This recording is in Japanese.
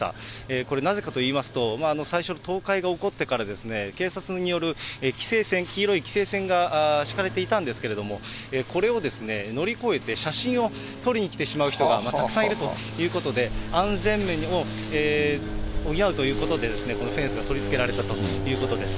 これ、なぜかといいますと、最初、倒壊が起こってからですね、警察による規制線、黄色い規制線が敷かれていたんですけれども、これを乗り越えて、写真を撮りに来てしまう人がたくさんいるということで、安全面を補うということで、このフェンスが取り付けられたということです。